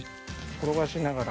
転がしながら。